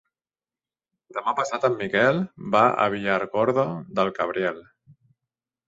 Demà passat en Miquel va a Villargordo del Cabriel.